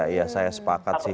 iya saya sepakat sih